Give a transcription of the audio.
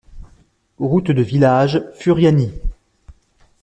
Route du village, Furiani